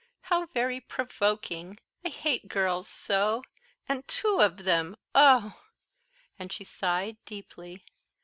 "How very provoking! I hate girls so and two of them oh!" and she sighed deeply.